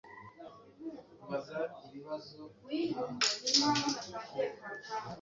kikaba giherereye mu gihugu cya Thailand